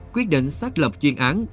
quyết định xác lập chuyên án